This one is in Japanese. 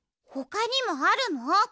ほかにもあるの？